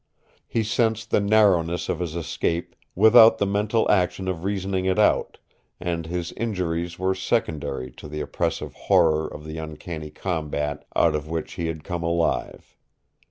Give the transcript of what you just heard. He sensed the narrowness of his escape without the mental action of reasoning it out, and his injuries were secondary to the oppressive horror of the uncanny combat out of which he had come alive.